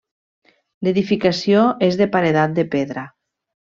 L'edificació és de paredat de pedra.